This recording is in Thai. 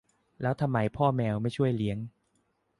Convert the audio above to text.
แล้วทำไมพ่อแมวไม่ช่วยเลี้ยง